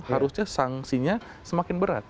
harusnya sanksinya semakin berat